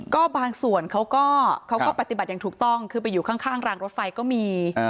ก็บางส่วนเขาก็เขาก็ปฏิบัติอย่างถูกต้องคือไปอยู่ข้างรางรถไฟก็มี